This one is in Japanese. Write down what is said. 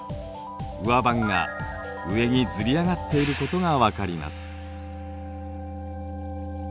上盤が上にずり上がっていることが分かります。